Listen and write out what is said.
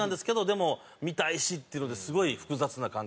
でも見たいしっていうのですごい複雑な感覚で。